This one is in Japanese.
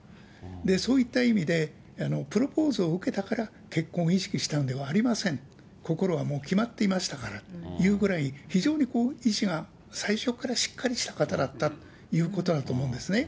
そういった意味で、プロポーズを受けたから、結婚を意識したんではありません、心はもう決まっていましたからというぐらい、非常に意思が、最初からしっかりした方だったっていうことだと思うんですね。